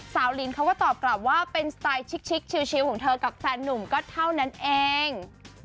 ลินเขาก็ตอบกลับว่าเป็นสไตล์ชิคชิลของเธอกับแฟนนุ่มก็เท่านั้นเอง